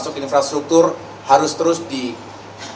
masuk ke infrastruktur harus terus dikejar target target pencapaiannya